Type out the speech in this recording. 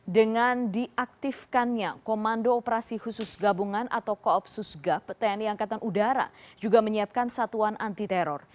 dengan diaktifkannya komando operasi khusus gabungan atau koopsus gap tni angkatan udara juga menyiapkan satuan anti teror